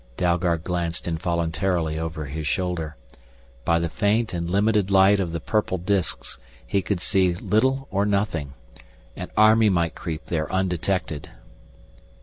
Dalgard glanced involuntarily over his shoulder. By the faint and limited light of the purple disks he could see little or nothing. An army might creep there undetected.